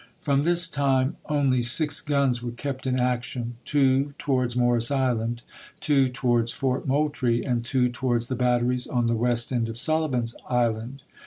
From this time only six guns were kept in action — two towards Morris Island, two towards Fort Moultrie, and two towards the batteries on the west end of Sullivan's Island.